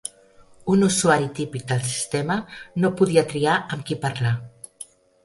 Un usuari típic del sistema no podia triar amb qui parlar.